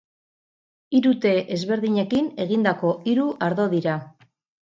Hiru te ezberdinekin egindako hiru ardo dira.